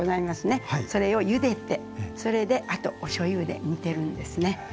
それをゆでてそれであとおしょうゆで煮てるんですね。